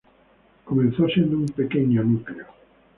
Comenzó siendo un pequeño núcleo.